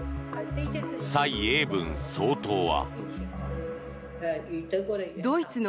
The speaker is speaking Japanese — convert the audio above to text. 蔡英文総統は。